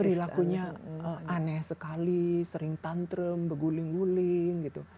perilakunya aneh sekali sering tantrum beguling guling gitu